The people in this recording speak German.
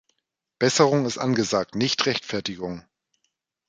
Besserung ist angesagt, nicht Rechtfertigung!